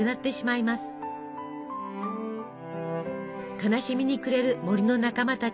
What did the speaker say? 悲しみに暮れる森の仲間たち。